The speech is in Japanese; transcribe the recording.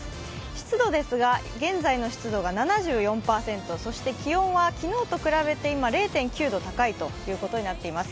湿度ですが現在の湿度が７４％、そして気温は昨日と比べて今、０．９度高いということになっています。